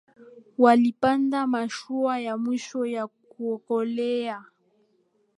walipanda mashua ya mwisho ya kuokoleaa